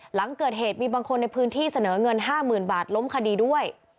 หลังเกิดเหตุมีบางคนในพื้นที่เสนอเงิน๕๐๐๐บาทล้มคดีด้วย